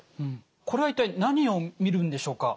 これは一体何を見るんでしょうか？